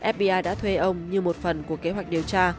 fbi đã thuê ông như một phần của kế hoạch điều tra